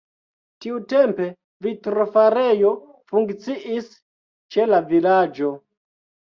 Tiutempe vitrofarejo funkciis ĉe la vilaĝo.